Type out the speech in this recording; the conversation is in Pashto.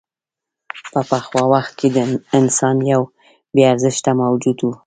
په پخوا وخت کې انسان یو بېارزښته موجود و.